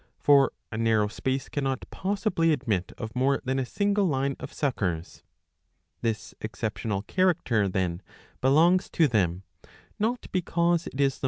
For a narrow space cannot possibly admit of more than a single line of suckers. This exceptional character, then, belongs to them, not because it is the